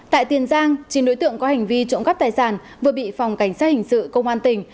tại tiền giang chín đối tượng có hành vi trộm cắp tài sản vừa bị phòng cảnh sát hình sự công an tỉnh